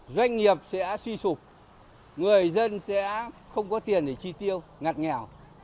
doanh nghiệp sẽ suy sụp người dân sẽ không có tiền để chi tiêu ngặt nghèo